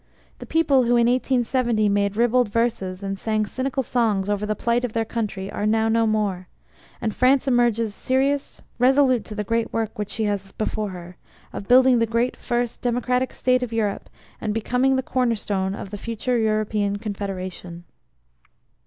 The people who in 1870 made ribald verses and sang cynical songs over the plight of their country are now no more, and France emerges serious, resolute, to the great work which she has before her of building the great first Democratic State of Europe and becoming the corner stone of the future European Confederation.